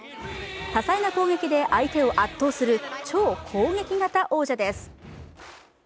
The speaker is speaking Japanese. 多彩な攻撃で相手を圧倒する超攻撃型王者です。